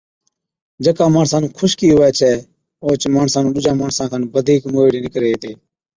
جڪا ماڻسا نُون خُشڪِي هُوَي ڇَي اوهچ ماڻسا نُون ڏُوجان ماڻسان کن بڌِيڪ موهِيڙي نِڪري هِتي۔